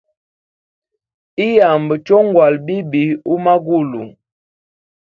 Iyamba chongwala bibi umagulu.